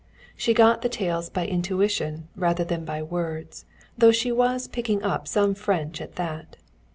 She got the tales by intuition rather than by words, though she was picking up some French at that.